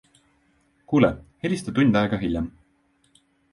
Kuule, helista tund aega hiljem.